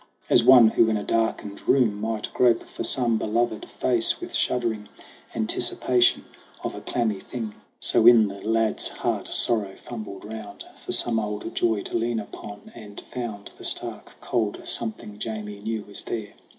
As one who in a darkened room might grope For some beloved face, with shuddering Anticipation of a clammy thing; 20 SONG OF HUGH GLASS So in the lad's heart sorrow fumbled round For some old joy to lean upon, and found The stark, cold something Jamie knew was there.